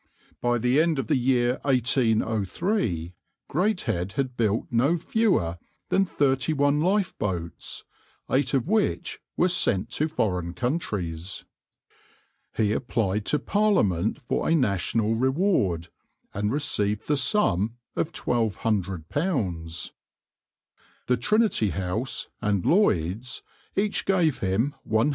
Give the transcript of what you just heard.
By the end of the year 1803 Greathead had built no fewer than thirty one lifeboats, eight of which were sent to foreign countries. He applied to Parliament for a national reward, and received the sum of £1200. The Trinity House and Lloyd's each gave him £105.